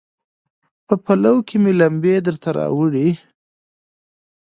په پلو کې مې لمبې درته راوړي